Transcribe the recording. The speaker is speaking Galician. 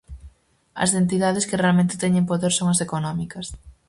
As entidades que realmente teñen poder son as económicas.